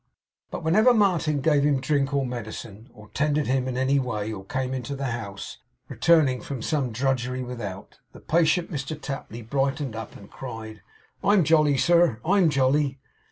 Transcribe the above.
But whenever Martin gave him drink or medicine, or tended him in any way, or came into the house returning from some drudgery without, the patient Mr Tapley brightened up and cried: 'I'm jolly, sir; 'I'm jolly!